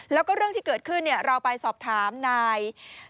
แล้วก็เรื่องที่เกิดขึ้นเราไปสอบถามนาย